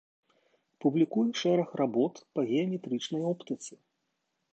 Публікуе шэраг работ па геаметрычнай оптыцы.